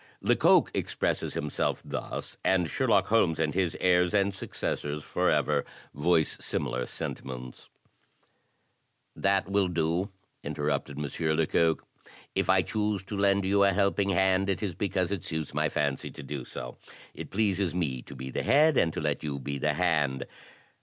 Lecoq expresses himself thus, and Sherlock Holmes and his heirs and successors forever, voice similar sentiments: "That will do," interrupted M. Lecoq. "If I choose to lend you a helping hand, it is because it suits my fancy to do so. It pleases me to be the head, and to let you be the hand.